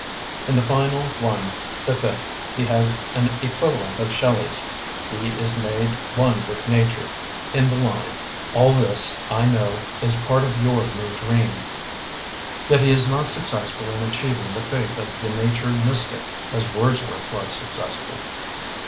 In the final one, the fifth, he has an equivalent of Shelley's, "He is made one with Nature", in the line, "All this, I know, is part of your new dream". Yet he is not successful in achieving the faith of the nature mystic, as Wordsworth was successful.